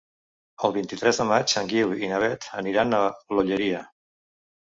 El vint-i-tres de maig en Guiu i na Beth aniran a l'Olleria.